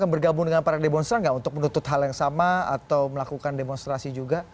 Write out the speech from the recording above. bergabung dengan para demonstran nggak untuk menuntut hal yang sama atau melakukan demonstrasi juga